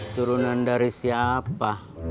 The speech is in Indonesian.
turunan dari siapa